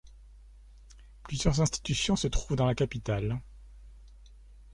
Plusieurs institutions se trouvent dans la capitale.